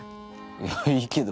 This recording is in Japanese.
いやいいけど。